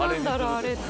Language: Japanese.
あれって。